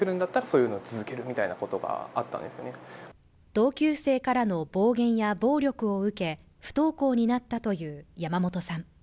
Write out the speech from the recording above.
同級生からの暴言や暴力を受け、不登校になったという山本さん。